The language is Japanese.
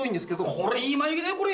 これいい眉毛だよこれ！